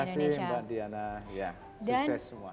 terima kasih mbak diana sukses semua